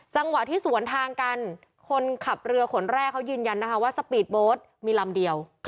จังหวะที่สวนทางกันคนขับเรือขนแรกเขายืนยันนะคะว่าสปีดโบ๊ทมีลำเดียว